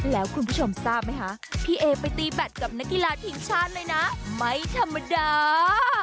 แล้วคุณผู้ชมทราบไหมคะพี่เอไปตีแบตกับนักกีฬาทีมชาติเลยนะไม่ธรรมดา